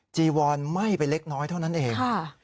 จีวอนไหม้ไปเล็กน้อยเท่านั้นเอง